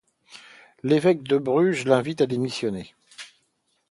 L'évêque de Bruges, l'invite à démissionner.